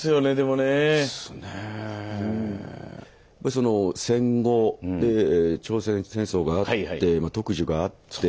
その戦後で朝鮮戦争があってまあ特需があって。